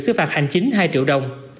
xứ phạt hành chính hai triệu đồng